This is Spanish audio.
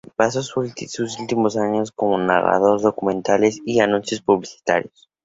Pasó sus últimos años como narrador de documentales y anuncios publicitarios.